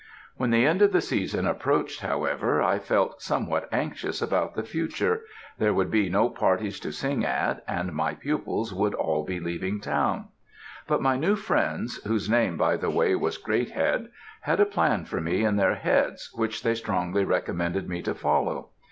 "When the end of the season approached, however, I felt somewhat anxious about the future there would be no parties to sing at, and my pupils would all be leaving town; but my new friends, whose name, by the way, was Greathead, had a plan for me in their heads, which they strongly recommended me to follow.